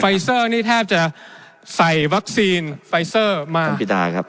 ไฟซ่อนี่แทบจะใส่วัคซีนไฟซ่อมาทันพิธาครับ